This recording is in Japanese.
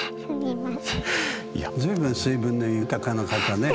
随分水分の豊かな方ね。